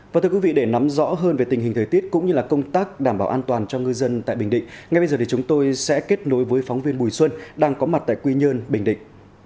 và thưa quý vị để nắm rõ hơn về tình hình thời tiết cũng như công tác đảm bảo an toàn cho ngư dân tại bình định ngay bây giờ thì chúng tôi sẽ kết nối với phóng viên bùi xuân đang có mặt tại quy nhơn bình định